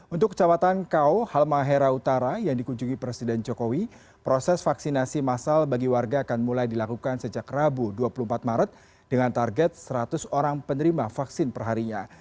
untuk kecamatan kau halmahera utara yang dikunjungi presiden jokowi proses vaksinasi masal bagi warga akan mulai dilakukan sejak rabu dua puluh empat maret dengan target seratus orang penerima vaksin perharinya